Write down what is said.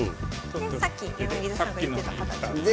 でさっき柳田さんが言ってた形にする。